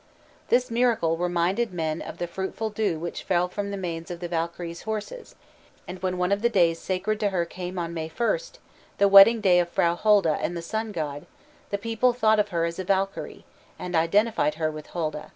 This miracle reminded men of the fruitful dew which fell from the manes of the Valkyries' horses, and when one of the days sacred to her came on May first, the wedding day of Frau Holda and the sun god, the people thought of her as a Valkyrie, and identified her with Holda.